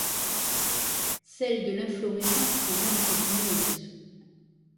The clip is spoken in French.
Celles de l'inflorescence sont même épineuses.